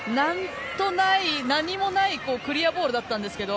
何もないクリアボールだったんですけど